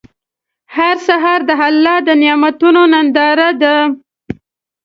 هر سهار د الله د نعمتونو ننداره ده.